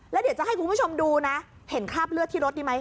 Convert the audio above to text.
แล้วเดี๋ยวจะให้คุณผู้ชมดูนะเห็นคราบเลือดที่รถดีไหม